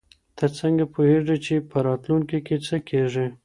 ته څنګه پوهیږې چي په راتلونکي کي څه کیږي؟